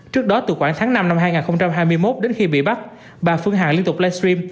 trước đó từ khoảng tháng năm năm hai nghìn hai mươi một đến khi bị bắt bà phương hằng liên tục livestream